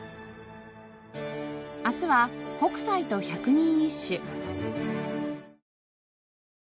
明日は北斎と百人一首。